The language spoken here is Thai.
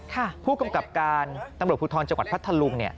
ค่ะผู้กำกับการตำรวจพุทธรจังหวัดพัทธรุม